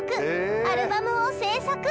アルバムを制作。